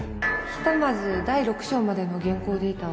ひとまず第６章までの原稿データ